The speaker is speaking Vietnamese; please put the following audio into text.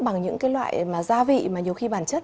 bằng những cái loại mà gia vị mà nhiều khi bản chất